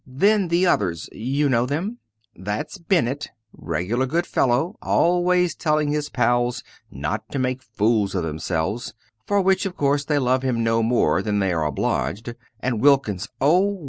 Then the others you know them? That's Bennett regular good fellow always telling his pals not to make fools of themselves for which of course they love him no more than they are obliged And Wilkins oh!